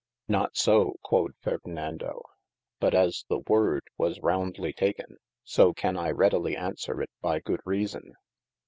Not so (quod Ferdinando) but as the woorde was roundly taken, so can I readely answere it by good reason.